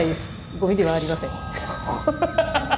ゴミではありません。